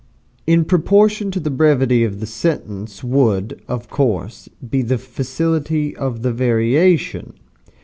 In proportion to the brevity of the sentence would, of course, be the facility of the variation.